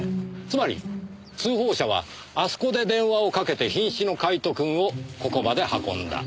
つまり通報者はあそこで電話をかけて瀕死のカイトくんをここまで運んだ。